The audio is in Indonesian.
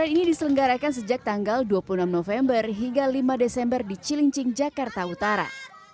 ini diselenggarakan sejak tanggal dua puluh enam november hingga lima desember di cilincing jakarta utara